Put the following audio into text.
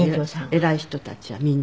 偉い人たちはみんな。